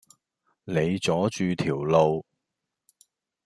你阻住條路